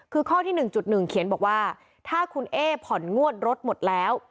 คือข้อที่๑๑เขียนบอกว่าถ้าคุณเอ๊ผ่อนงวดรถหมดแล้ว